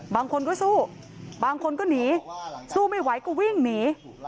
บางคนก็สู้บางคนก็หนีสู้ไม่ไหวก็วิ่งหนี